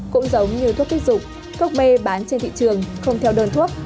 cũng giống như thuốc tiết dục thuốc mê bán trên thị trường không theo đơn thuốc